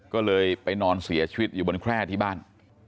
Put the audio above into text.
ก็เลยไปนอนเสียชีวิตอยู่บนแคร่ที่บ้าน